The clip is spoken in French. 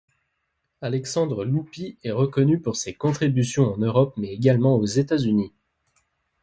Alexandre Loupy est reconnu pour ses contributions en Europe mais également aux Etats-Unis.